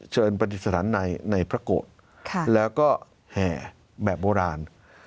ปฏิสถานในพระโกรธแล้วก็แห่แบบโบราณ